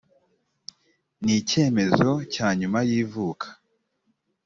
nikemezo cya nyuma y ivuka